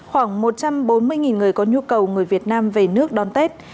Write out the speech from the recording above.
khoảng một trăm bốn mươi người có nhu cầu người việt nam về nước đón tết